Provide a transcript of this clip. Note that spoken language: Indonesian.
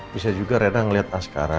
bisa juga reda ngeliat askara